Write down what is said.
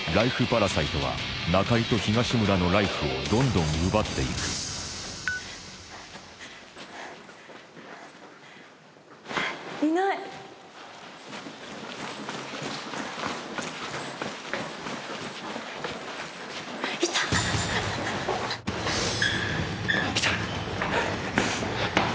パラサイトは中井と東村のライフをどんどん奪って行くいない。来た！